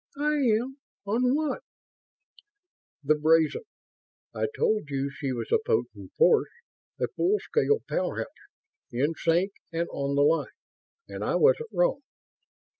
"I am? On what?" "The 'Brazen'. I told you she was a potent force a full scale powerhouse, in sync and on the line. And I wasn't wrong."